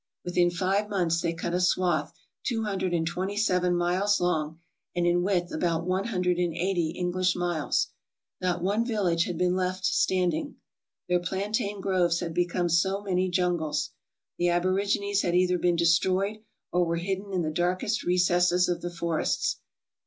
Within five months they cut a swath two hundred and twenty seven miles long, and in width about one hundred and eighty English miles. Not one village had been left standing. Their plantain groves had become so many jungles. The aborigines had either been destroyed, or were hidden in the darkest recesses of the forests.